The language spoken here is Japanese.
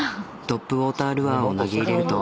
トップウォータールアーを投げ入れると。